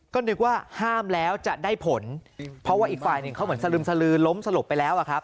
ก็นึกว่าห้ามแล้วจะได้ผลเพราะว่าอีกฝ่ายหนึ่งเขาเหมือนสลึมสลือล้มสลบไปแล้วอะครับ